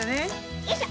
よいしょ。